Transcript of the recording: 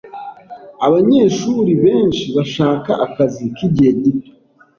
Abanyeshuri benshi bashaka akazi k'igihe gito.